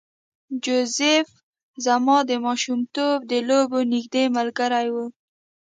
جوزف زما د ماشومتوب د لوبو نږدې ملګری و